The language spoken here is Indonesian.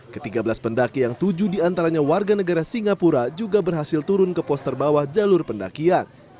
ketiga belas pendaki yang tujuh di antaranya warga negara singapura juga berhasil turun ke pos terbawah jalur pendakian